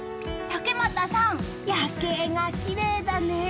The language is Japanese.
竹俣さん、夜景がきれいだね。